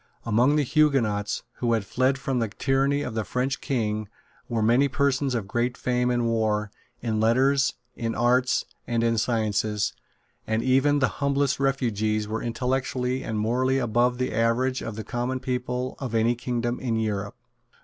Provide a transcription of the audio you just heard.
Among the Huguenots who had fled from the tyranny of the French King were many persons of great fame in war, in letters, in arts and in sciences; and even the humblest refugees were intellectually and morally above the average of the common people of any kingdom in Europe.